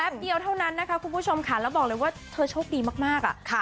เดียวเท่านั้นนะคะคุณผู้ชมค่ะแล้วบอกเลยว่าเธอโชคดีมากอ่ะค่ะ